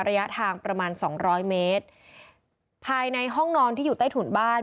ระยะทางประมาณสองร้อยเมตรภายในห้องนอนที่อยู่ใต้ถุนบ้าน